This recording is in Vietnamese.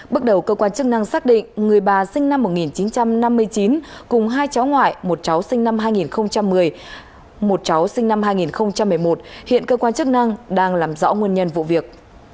bước đầu cơ quan chức năng xác định người bà sinh năm một nghìn chín trăm năm mươi chín cùng hai cháu ngoại một cháu sinh năm hai nghìn một mươi một hiện cơ quan chức năng đang làm rõ nguồn nhân vụ việc